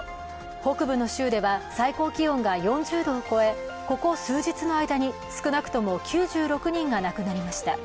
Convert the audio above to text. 北部の州では最高気温が４０度を超えここ数日の間に少なくとも９６人が亡くなりました。